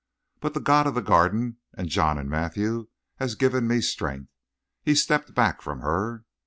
But the God of the Garden and John and Matthew has given me strength." He stepped back from her.